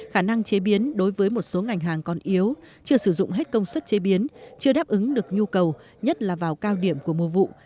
khả năng chế biến đối với một số ngành hàng còn yếu chưa sử dụng hết công suất chế biến chưa đáp ứng được nhu cầu nhất là vào cao điểm của mùa vụ